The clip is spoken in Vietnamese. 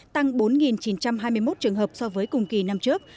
tăng bốn chín trăm hai mươi một trường hợp so với cùng kỳ năm trước